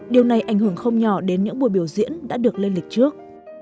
điều này ảnh hưởng không nhỏ đến những buổi biểu diễn đã được lên lịch trước